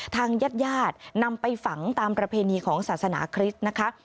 ทางญาติญาตินำไปฝังตามประเพณีของศาสนาคริสต์นะคะ